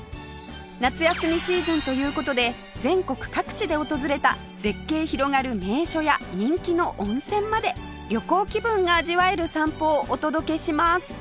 夏休みシーズンという事で全国各地で訪れた絶景広がる名所や人気の温泉まで旅行気分が味わえる散歩をお届けします